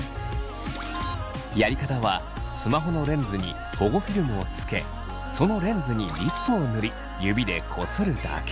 やり方はスマホのレンズに保護フィルムをつけそのレンズにリップを塗り指でこするだけ。